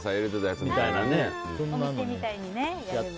お店みたいに。